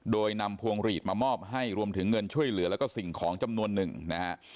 โดยนำพวงหลีดมามอบให้รวมถึงเงินช่วยเหลือแล้วก็สิ่งของจำนวนหนึ่งนะฮะ